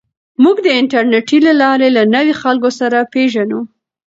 موږ د انټرنیټ له لارې له نویو خلکو سره پېژنو.